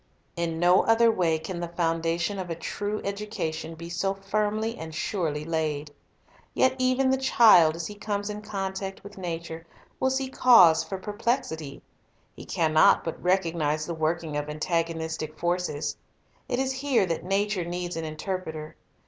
In no other way can the foundation of a true educa tion be so firmly and surely laid. Yet even the child, as he comes in contact with nature, will see cause for perplexity. He can not but recognize the working of antagonistic forces. It is here that nature needs an interpreter.